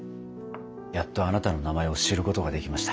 やっとあなたの名前を知ることができました。